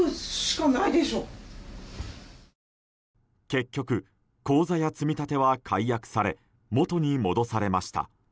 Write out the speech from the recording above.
結局、口座や積み立ては解約され元に戻されました。